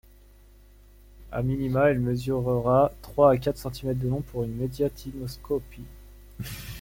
À minima, elle mesurera trois à quatre centimètres de long pour une médiastinoscopie.